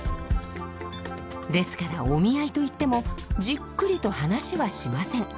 ですからお見合いといってもじっくりと話はしません。